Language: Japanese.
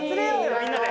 みんなで。